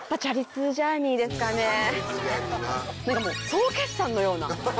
総決算のような。